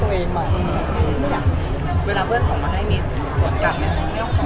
เวลาเพื่อนส่งมาให้มีส่งกลับ